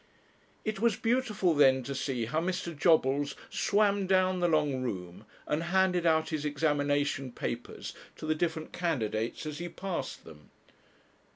It was beautiful then to see how Mr. Jobbles swam down the long room and handed out his examination papers to the different candidates as he passed them.